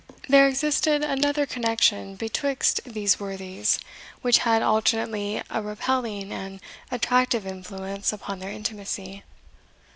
There existed another connection betwixt these worthies, which had alternately a repelling and attractive influence upon their intimacy.